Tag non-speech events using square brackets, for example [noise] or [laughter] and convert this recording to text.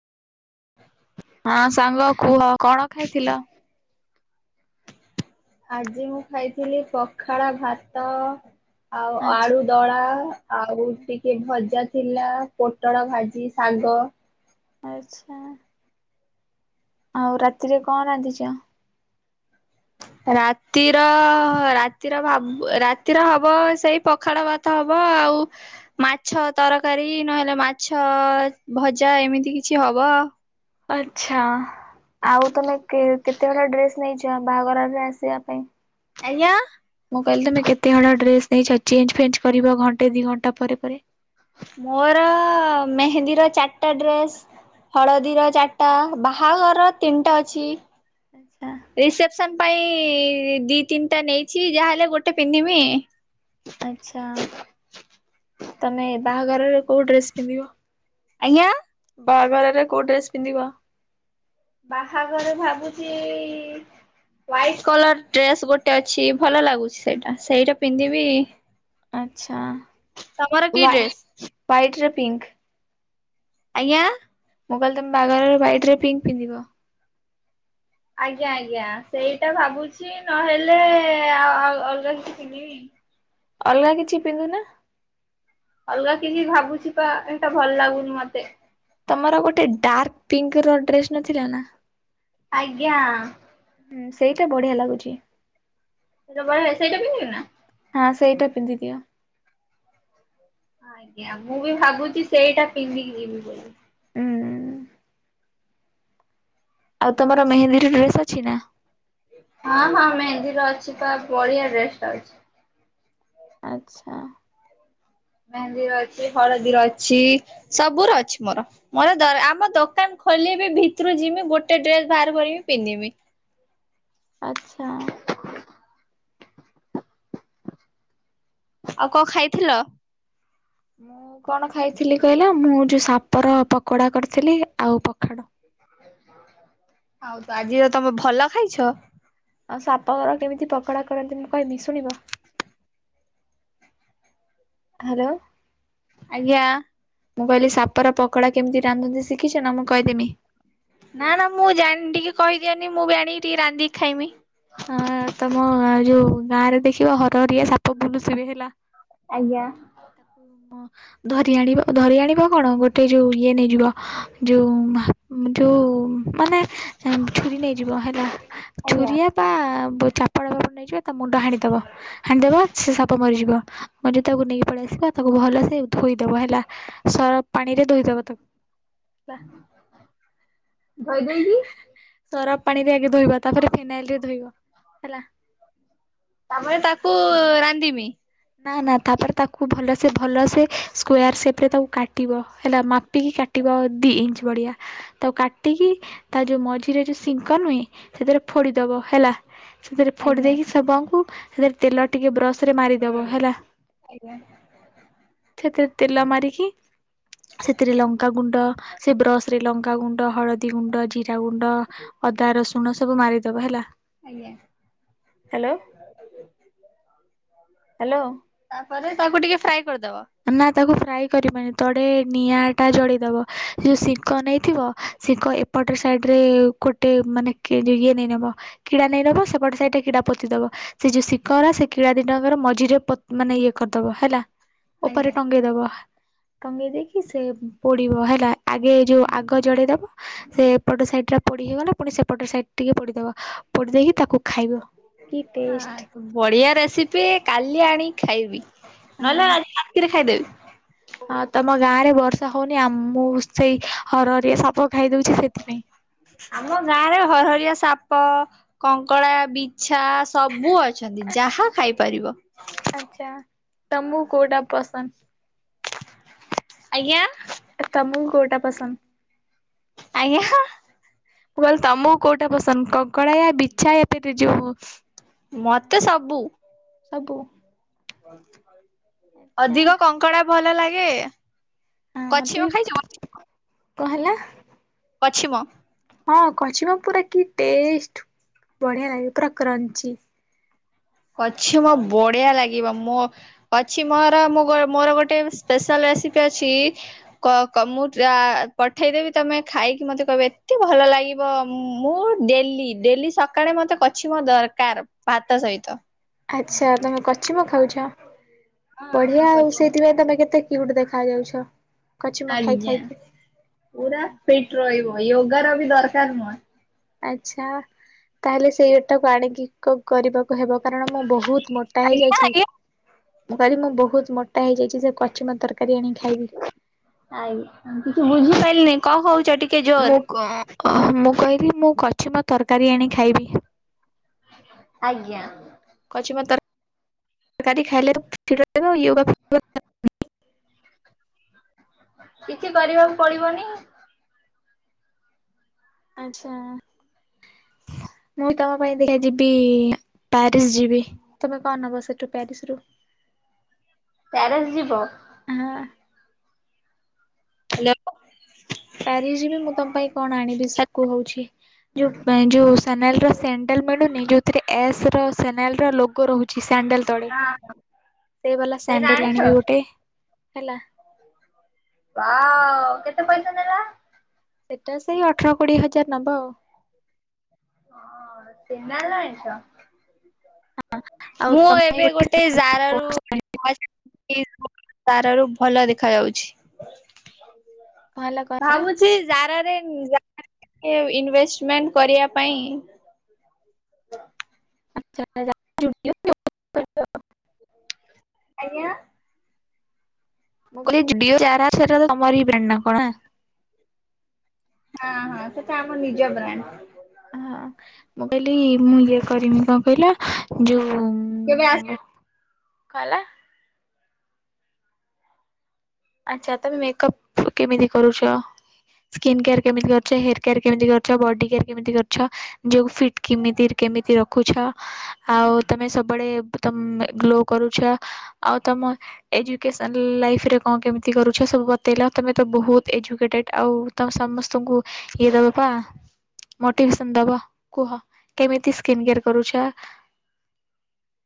ହଁ ସାଙ୍ଗ କୁହ କଣ ଖାଇଥିଲ? ଆଜି ମୁଁ ଖାଇଥିଲି ପଖାଳ ଭାତ ଆଉ ଆଚ୍ଛା ଆଳୁ ଦଳା ଆଉ ଟିକେ ଭଜା ଥିଲା ପୋଟଳ ଭାଜି ଶାଗ ଆଚ୍ଛା। ଆଉ ରାତିରେ କଣ ରାନ୍ଧିଛ? ରାତିର ରାତିର ଭାବ ରାତିର ହବ ସେଇ ପଖାଳ ଭାତ ହବ। ଆଉ ମାଛ ତରକାରୀ ନହେଲେ ମାଛ ଭଜା ଏମିତି କିଛି ହବ। ହବ। ଆଛା। ଆଉ ତମେ କେ କେତେ ହଳ ଡ୍ରେସ ନେଇଛ ବାହାଘରରେ ଆସିବା ପାଇଁ? ଆଜ୍ଞା? ମୁଁ କହିଲି ତମେ କେତେ ହଳ ଡ୍ରେସ ନେଇଛ? ଚେଞ ଫେଞ୍ଚ କରିବ ଘଣ୍ଟେ ଦି ଘଣ୍ଟା ପରେ ପରେ। ମୋର ମେହେନ୍ଦୀର ଚାରିଟା ଡ୍ରେସ୍ ହଳଦୀର ଚାରିଟା ବାହାଘର ତିନିଟା ଅଛି। ଆଚ୍ଛା। ସନ୍ ପାଇଁ ଦି ତିନିଟା ନେଇଛି ଯାହାହେଲେ ଗୋଟେ ପିନ୍ଧିମି। ଆଛା ତମେ ବାହାଘରରେ କୋଉ ଡ୍ରେସ ପିନ୍ଧିବ? ଆଜ୍ଞା। ବାହାଘରରେ କୋଉ ଡ୍ରେସ ପିନ୍ଧିବ? ବାହାଘର ଭାବୁଛି ହ୍ୱାଇଟ କଲର ଡ୍ରେସ ଗୋଟେ ଅଛି ଭଲ ଲାଗୁଛି ସେଇଟା ସେଇଟା ପିନ୍ଧିବି। ଆଛା ତମର କି ହ୍ୱା ଡ୍ରେସ ହ୍ଵାଇଟ ର ପିଙ୍କ ଆଜ୍ଞା। ମୁଁ କହିଲେ ତମେ ବାହାଘରରେ ହ୍ୱାଇଟ ରେ ପିଙ୍କ ପିନ୍ଧିବ? ଆଜ୍ଞା ଆଜ୍ଞା ସେଇଟା ଭାବୁଛି ନହେଲେ ଆ ଅଲଗା କିିଛି ପିନ୍ଧିବି। ଅଲଗା କିଛିି ପିନ୍ଧୁନ? ଅଲଗା କିିଛି ଭାବୁଛି ପା ଏଟା ଭଲ ଲାଗୁନି ମତେ। ତମର ଗୋଟେ ଡାର୍କ ପିଙ୍କ ର ଡ୍ରେସ ନଥିଲା ନା? ଆଜ୍ଞା। ହୁଁ ସେଇଟା ବଢ଼ିଆ ଲାଗୁଛି। ସେଇଟା ବଢିଆ ହେଇ ସେଇଟା ପିନ୍ଧିବି ନା? ହଁ ସେଇଟା ପିନ୍ଧିଦିଅ। ଆଜ୍ଞା ମୁଁ ବି ଭାବୁଛି ସେଇଟା ପିନ୍ଧିକି ଯିବି ବୋଲି। ହୁଁ। ଆଉ ତର ମେହେନ୍ଦିର ଡ୍ରେସ ଅଛି ନା? ହଁ ହଁ ମେହେନ୍ଦିର ଅଛି ପ ବଢିଆ ଡ୍ରେସ ଟେ ଛି। ଆଚ୍ଛା। ମେହେନ୍ଦିର ଅଛି ହଳଦୀର ଅଛି, ସବୁ ର ଅଛି, ମୋର ମୋର ଆମ ଦୋକାନ ଖୋଲିବି ଭିତରୁ ଯମି ଗୋଟେ ଡ୍ରେସ ବାହାର କରିବି ପିନ୍ଧିବି। ଆଚ୍ଛା। ଆଉ କଣ ଖାଇଥିଲ? ମୁଁ କଣ ଖାଇଥିଲି କହିଲା ମୁଁ ଯୋଉ ସାପର ପକୋଡା କରିଥିଲି, ଆଉ ପଖାଡ ହଉ ଆଜି ତ ତମେ ଭଲ ଖାଇଛ! ଆଉ ସାପ ଘର କେମିତି ପକୋଡା କରନ୍ତି, ମୁଁ କହିବି ଶୁଣିବ? ହ୍ୟାଲୋ! ଆଜ୍ଞା। ମୁଁ କହିଲି ସାପର ପକଡା କେମିତି ରାନ୍ଧନ୍ତି ଶିଖିଛ ନା ମୁଁ କହିଦେମି? ନା ନା ମୁଁ ଜାଣି ଟିକେ କହିଦିଅନି, ମୁଁ ବି ଆଣିକି ଟିକେ ରାନ୍ଧିକି ଖାଇମି। ହଁ ତମ ଯୋଉ ଗାଁ ରେ ଦେଖିବ ହରହରିଆ ସାପ ବୁଲୁସ ବି ହେଲା। ଆଜ୍ଞା। ଧରି ଆଣିବା ଧରି ଆଣିବା କଣ ଗୋଟେ ଯୋଉ ଇଏ ନେଇଯିବ ଯୋଉ ଯୋଉ ମାନେ ଛୁରୀ ନେଇଯିବ ହେଲା ଆଜ୍ଞା ଛୁରୀଆ ଚାପଡ ଫପଡ ନେଇଯିବା ତା ମୁଣ୍ଡ ହାଣିଦବା ହାଣିଦବା ସେ ସାପ ମରିଯିବ ମଞ ଯେ ତାକୁ ନେଇକି ପଳେଇ ଆସିବା ତାକୁ ଭଲସ ଧୋଇଦବ ହେଲା ସର ପାଣି ରେ ଧୋଇଦବ ତାକୁ ବା ଧୋଇଦେଇକି? ସରାପ ପାଣିରେ ଆଗେ ଧୋଇବା ତାପରେ ଫିନାଇଲ ରେ ଧୋଇବା ହେଲା। ତାମରେ ତାକୁ ରାନ୍ଧିମି? ନା ନା ତାପରେ ତାକୁ ଭଲସେ ଭଲସେ ସ୍କ୍ୟାର ସେପ୍ରେ ତାକୁ କାଟିବ ହେଲା ମାପିକି କାଟିବ ଦୁଇ ଇଞ୍ଚ ବଡ଼ିଆ ତା କାଟିକି ତା ଯୋଉ ମଝିରେ ଯୋଉ ସିଙ୍କ ନୁହେଁ ସେଥିରେ ଫୋଡ଼ିଦବ ହେଲା ସେଥିରେ ଫୋଡି ଆଜ୍ଞା ଦେଇକି ସୁଙ୍କୁ ସେଥିରେ ତେଲ ଟିକେ ବ୍ରସ ରେ ମାରିଦବ ହେଲା। ଆଜ୍ଞା। ସେଥିରେ ତେଲ ମାରିକି ସେଥିରେ ଲଙ୍କାଗୁଣ୍ଡ ସେ ବ୍ରସ ରେ ଲଙ୍କା ଗୁଣ୍ଡ ଗୁ ହଳଦୀ ଗୁଣ୍ଡ, ଜିରା ଗୁଣ୍ଡ ଅଦା ରସୁଣ ସବୁ, ମାରିଦବ ହେଲା। ଆଜ୍ଞା। Hello hello! ତାପରେ ତାକୁ ଟିକେ ଫ୍ରାଏ କରିଦବା। ନା ତାକୁ ଫ୍ରାଏ କରିବନି ତଡ଼େ ନିଆଁଟା ଜଳିଦେବ ସେ ଯେଉଁ ଶିଙ୍କ ନେଇଥିବ ସିଙ୍କ ବଟେ ସାଇଡ଼୍ରେ ଗୋଟେ ମାନେ ଇଏ ନେଇ ନେବ କିଡ଼ା ନେଇ ନେବ ସେପଟେ ସାଇଡ଼୍ରେ କିଡ଼ା ପୋତିଦେବ ସେ ଯୋଉ ଶିକରା ସେ କିଳା ଦଟାଙ୍କର ମଝିରେ ମାନେ ଇଏ କରିଦବ ହେଲା ଉପରେ ଆଜ୍ଞା ଟଙ୍ଗେଇଦବ ଟଙ୍ଗେଇ ଦେଇକି ସେ ପୋଡିବ ହେଲା ଆଗେ ଯେଉଁ ଆଜ୍ଞା। ଆଗ ଜଳେଇଦେବ, ସେ ପଟ ସାଇଟ୍ଟା ପଡ଼ି ହୋଇଗଲା, ପୁଣି ସେପଟ ସାଇଟ୍ ଟିକେ ପୋଡ଼ିଦେବ କି ଟେଷ୍ଟ ବଢିଆ ରେସିପି କାଲି କାଲି ଆଣି ଖାଇବି ହଁ। ନହେଲେ ଆଜି ରାତିରେ ଖାଇଦେବି। ହଁ ତମ ଗାଁ ରେ ବର୍ଷା ହଉନି, ଆ ମୁଁ ସେଇ ହରରିଆ ସାପ ଖାଇଦଉଛି ସେଥିପାଇଁ। ଆମ ଗାଁ ରେ ହରହରିଆ ସାପ କଙ୍କଡା ବିଚ ଛା ସବୁ ଅଛନ୍ତି ଯାହା ଖାଇପାରିବ। ଆଚ୍ଛା ତମକୁ କେଉଟା ପସନ୍ଦ? ଆଜ୍ଞା! ତମକୁ କୋଉଟା ପସନ୍ଦ? ଆଜ୍ଞା! ମୁଁ କହିଲି ତମକୁ କୋଉଟା ପସନ୍ଦ କକଡ଼ା ବିଛା ଏତେ ଯୋଉ ମତେ ସବୁ। ସବୁ। ଆଚ୍ଛା ଅଧିକ କଙ୍କଡା ଭଲ ଲାଗେ? ହଁ ମତେ କଛିମ ବି ଖାଇଛ? କଣ ହେଲା? କଛିମ। ହଁ କଚିମ ପୁରା କି ଟେଷ୍ଟ ବଢିଆ ଲାଗେ ପୁରା କ୍ରଞ୍ଚି କଛିମ ମୋ ବଢିଆ ଲାଗିବ ମୋ କଛିମ ମୋର ମୋର ଗୋଟେ ସ୍ପେଶାଲ ରେ ଅଛି ମୁଁ ପଠେଇଦେବି ତମେ ଖାଇକି ମତେ କହିବ ଏତେ ଭଲ ଲାଗିବ ମୁଁ ଡେଲି ଡେଲି ସକାଳେ ମତେ କଛିମ ଦରକାର ଭାତ ସହିତ। ଆଚ୍ଛା ତମେ କଚିମ ଖାଉଛ ହଁ ଆମ ବଢିଆ ଆଉ କଛିମ ସେଇଥିପାଇଁ ତମେ କେତେ କ୍ୟୁଟ ଦେଖା ଯାଉଛ। କଚିମ ଖାଇ ଆଜ୍ଞା ଖାଇକି। ପୁରା ଫିଟ ରହିବ ୟୋଗା ର ବି ଦରକାର ନାହିଁ। ଆଛା ତାହେଲେ ସେଇଟାକୁ ଆଣିକି କଣ କରିବାକୁ ହେବ। କାରଣ ମୁଁ ବହୁତ ମୋଟା ଆଜ୍ଞା ହେଇଯାଇଛି ଆଜ୍ଞା। ମୁଁ କହଲି ମୁଁ ବହୁତ ମୋଟା ହେଇଯାଇଛି ସେ କଛିମ ତରକାରୀ ଆଣି ଖାଇବି। ଆଜ୍ଞା କିଛି ବୁଝିପାରିଲିନି କଣ କହୁ ମୁଁ ମୁଁ କହିଲି ମୁଁ ଛି ମୁଁ ତରକାରୀ ଆଣି ଖାଇବି। ଆଜ୍ଞା। ତରକାରୀ ଖାଇ [unintelligible] କିଛି କରିବାକୁ ପଡିବନି। ଆଚ୍ଛା। ମୁଁ ତମ ପାଇଁ ଦେଖ ଯିବି ପ୍ୟାରିସ ଯିବି ତମେ କଣ ନବ ସେଠୁ ପ୍ୟାରିସ ରୁ ପ୍ୟାରିସ ଯିବ? ହଁ। [unintelligible] ପ୍ୟାରିସ ଯିବି ମୁଁ ତମ ପାଇଁ କଣ ଆଣିବି କୁହଉଛି। ଯୋଉଁ ଯୋଉଁ ସୋନେଲ ର ସେଣ୍ଡେଲ ମିଳୁନି ଯୋଉଥିରେ ଏସ ର ସୋନେଲ ର ଲୋଗ ରହୁଛି। ସାଣ୍ଡେଲ ତଳେ ହଁ। ସେଇ ବାଲା ସେଇଟା ସାଣ୍ଡେଲ ଆଣିଛ ଆଣିବି ଗୋଟେ। ହେଲା। ହଁ କେତେ ପଇସା ନେଲା? ସେଟା ସେଇ ଅଠର କୋଡିଏ ହଜାର ନବ ଆଉ। ହଁ ସେନା ଜାଣିଛ। ଆଉ ମୁଁ ତମେ ଏବେ ଗୋଟେ କଣ ଜାରାରୁ ତାର ର ଭଲ ଦେଖା ଯାଉଛି। ହେଲା କଣ ଭାବୁଛି ଯାରା ରେ ଇନଭେଷ୍ଟ ମେଣ୍ଟ କରିବା ପାଇଁ। [inaudible] ଆଛା [inaudible] ଆଜ୍ଞା। ମୁଁ କହିଲି ଦିଅ ଜାରା ସାର ର ତମରି ବ୍ରାଣ୍ଡ ନା କଣା। ହଁ ହଁ ସେଟା ଆମ ନିଜ ବ୍ରାଣ୍ଡ। ହଁ ମୁଁ କହିଲି ମୁଁ ଇଏ କରମି କଣ କହିଲ ଯୋଉଁ। କେବେ ଆସ କ ହେଲା। ଆଚ୍ଛା ତମେ ମେକଅପ କେମିତି କରୁଛ? ସ୍କିନ୍ କେୟାର କେମିତି କରୁଛ। ହେୟାର କେୟାର କେମିତି କରୁଛ। ବଡି କେୟାର କେମିତି କରୁଛ। ଯଉ ଫିଟ୍ କେମିତି କେମିତି ରଖୁଛ। ଆଉ ତମେ ସବୁବେଳେ ତମେ ଗ୍ଲୋ କରୁଛ ଆଉ ତମ ଏ ଯଉଁ କେସନ ଲାଇଫ ରେ କଣ କେମିତି କରୁଛ ସବୁ ବତେଇଲ ତମେ ତ ବହୁତ ଏଜୁକେଟେଡ ଆଉ ତ ସମସ୍ତଙ୍କୁ ଇଏ ଦେବା ପାଇଁ ମୋଟିଭେଶନ ଦବ କୁହ କେମିତି ସ୍କିନ କେୟାର କରୁଚ। [inaudible]